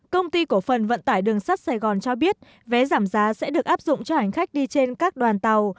công ty cổ phần vận tải đường sắt sài gòn cho biết vé giảm giá sẽ được áp dụng cho hành khách đi trên các đoàn tàu